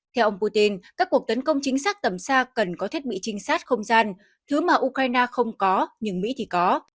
theo ông putin các cuộc tấn công chính xác tầm xa cần có thiết bị trinh sát không gian thứ mà ukraine không có nhưng mỹ thì có